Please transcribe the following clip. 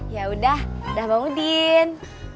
ya udah dah bang udin